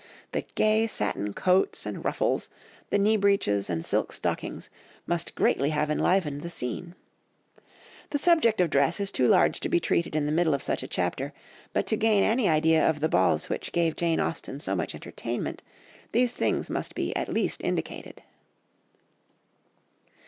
The gay satin coats and ruffles, the knee breeches and silk stockings, must greatly have enlivened the scene. The subject of dress is too large to be treated in the middle of such a chapter, but to gain any idea of the balls which gave Jane Austen so much entertainment, these things must be at least indicated.